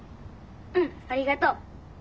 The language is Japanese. うんありがとう。